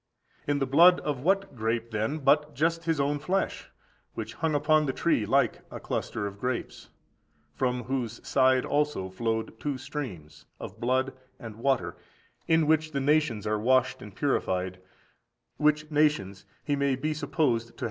In the blood of what grape, then, but just His own flesh, which hung upon the tree like a cluster of grapes?—from whose side also flowed two streams, of blood and water, in which the nations are washed and purified, which (nations) He may be supposed to have as a robe about Him.